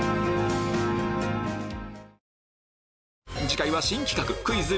次回は新企画クイズ！